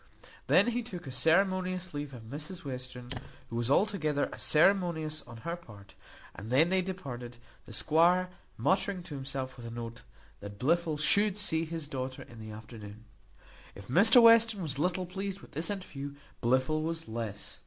He then took a ceremonious leave of Mrs Western, who was altogether as ceremonious on her part; and then they departed, the squire muttering to himself with an oath, that Blifil should see his daughter in the afternoon. If Mr Western was little pleased with this interview, Blifil was less.